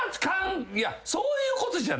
そういうことじゃないんですよ。